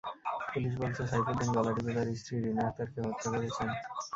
Police বলেছে, সাইফুদ্দিন গলা টিপে তাঁর স্ত্রী রিনা আক্তারকে হত্যা করেছেন।